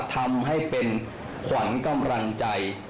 ทำให้เป็นขวัญกำลังใจ